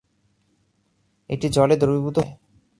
এটি জলে দ্রবীভূত হতে পারে।